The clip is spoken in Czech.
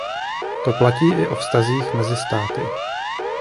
To platí i o vztazích mezi státy.